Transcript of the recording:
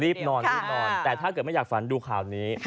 นอนรีบนอนแต่ถ้าเกิดไม่อยากฝันดูข่าวนี้